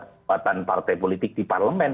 kekuatan partai politik di parlemen